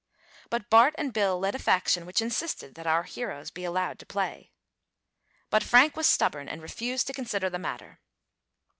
But Bart and Bill led a faction which insisted that our heroes be allowed to play. But Frank was stubborn and refused to consider the matter.